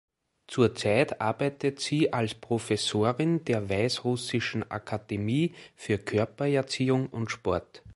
Zurzeit arbeitet sie als Professorin der Weißrussischen Akademie für Körpererziehung und Sport.